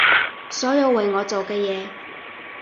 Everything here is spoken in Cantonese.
所有為我做嘅嘢